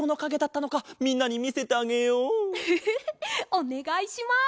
おねがいします！